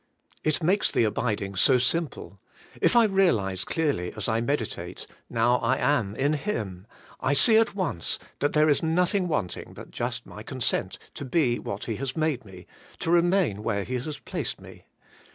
It makes the abiding so simple. If I realize clearly as I meditate: Now I am in Him, I see at once that there is nothing wanting but just my consent to be what He has made me, to remain where He has placed me.